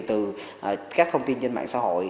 từ các thông tin trên mạng xã hội